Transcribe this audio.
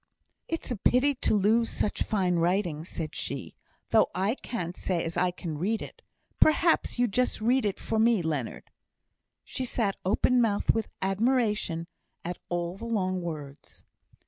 "It's a pity to lose such fine writing," said she; "though I can't say as I can read it. Perhaps you'd just read it for me, Leonard." She sat open mouthed with admiration at all the long words.